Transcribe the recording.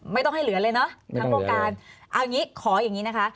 ไม่ต้องให้เหลือเลยเนอะทั้งวงการเอางี้ขออย่างนี้นะคะ